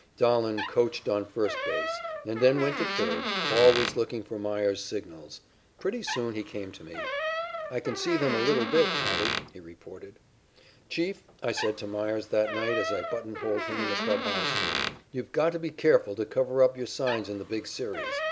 Dahlen coached on first base and then went to third, always looking for Meyers's signals. Pretty soon he came to me. "I can see them a little bit, Matty," he reported. "Chief," I said to Meyers that night as I buttonholed him in the clubhouse, "you've got to be careful to cover up your signs in the Big Series.